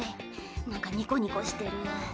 なんかニコニコしてるー。